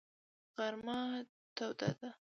غرمه تود دی.